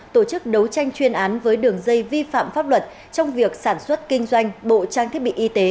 tổ chức đấu tranh chuyên án với đường dây vi phạm pháp luật trong việc sản xuất kinh doanh bộ trang thiết bị y tế